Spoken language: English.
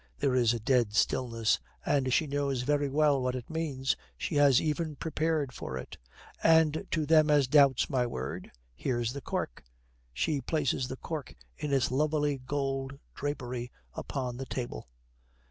There is a dead stillness, and she knows very well what it means, she has even prepared for it: 'And to them as doubts my word here's the cork.' She places the cork, in its lovely gold drapery, upon the table.